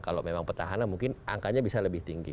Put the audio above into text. kalau memang petahana mungkin angkanya bisa lebih tinggi